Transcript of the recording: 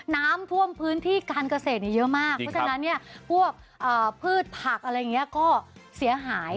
น้ำท่วมพื้นที่การเกษตรเยอะมากเพราะฉะนั้นเนี่ยพวกพืชผักอะไรอย่างนี้ก็เสียหาย